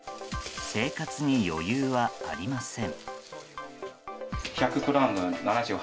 生活に余裕はありません。